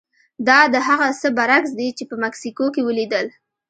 دا د هغه څه برعکس دي چې په مکسیکو کې ولیدل.